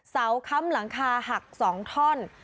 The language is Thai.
ค้ำหลังคาหัก๒ท่อน